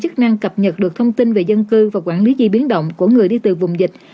chức năng cập nhật được thông tin về dân cư và quản lý di biến động của người đi từ vùng dịch